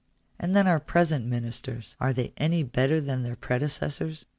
And then our present ministers — are they any better than their predecessors